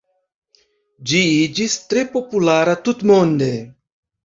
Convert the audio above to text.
Ĝi iĝis tre populara tutmonde.